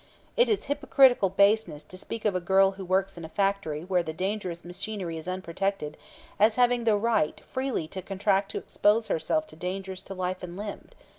It is hypocritical baseness to speak of a girl who works in a factory where the dangerous machinery is unprotected as having the "right" freely to contract to expose herself to dangers to life and limb.